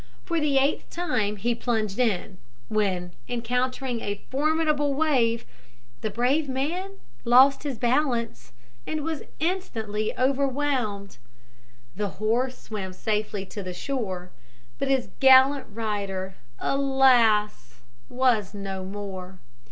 For the eighth time he plunged in, when, encountering a formidable wave, the brave man lost his balance, and was instantly overwhelmed. The horse swam safely to shore; but his gallant rider, alas! was no more.